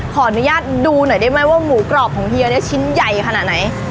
ขออนุญาตดูหน่อยได้ไหมว่าหมูกรอบของเฮียเนี่ยชิ้นใหญ่ขนาดไหน